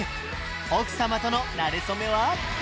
奥さまとのなれ初めは？